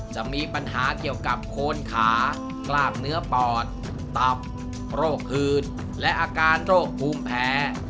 จะมีปัญหาเกี่ยวกับโคนขากล้ามเนื้อปอดตับโรคหืดและอาการโรคภูมิแพ้